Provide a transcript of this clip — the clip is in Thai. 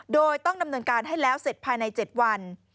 โดยต้องดำเนินการให้แล้วเสร็จภายใน๗วัน